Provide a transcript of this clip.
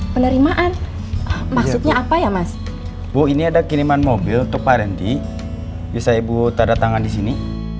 penerimaan maksudnya apa ya mas bu ini ada kiriman mobil untuk parendy bisa ibu tanda tangan di sini